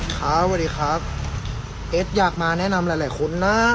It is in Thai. ครับสวัสดีครับเอสอยากมาแนะนำหลายคนนะ